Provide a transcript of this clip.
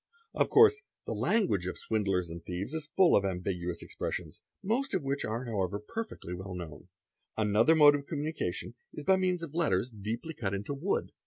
Of course the language of swindlers and thieves is full of { ambiguous expressions, most of which are however perfectly well kno | Another mode of communication is by means of letters deeply cut 1 : ery: SIGNALS OF RECOGNITION 341 wood.